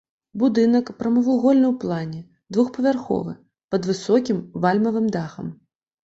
Будынак прамавугольны ў плане, двухпавярховы, пад высокім вальмавым дахам.